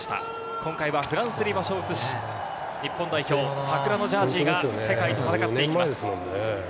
今回はフランスに場所を移し、日本代表、さくらのジャージが世界と戦っていきます。